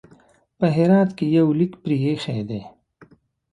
په هرات کې یو لیک پرې ایښی دی.